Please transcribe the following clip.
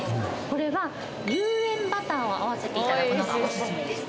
これは有塩バターを合わせていただくのがオススメです